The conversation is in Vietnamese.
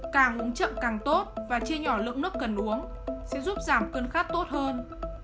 càng uống chậm càng tốt và chia nhỏ lượng nước cần uống sẽ giúp giảm cơn khát tốt hơn